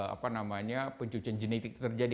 apa namanya pencucian genetik terjadi